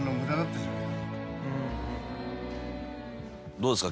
どうですか？